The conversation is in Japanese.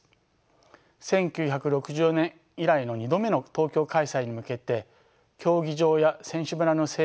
１９６４年以来の２度目の東京開催に向けて競技場や選手村の整備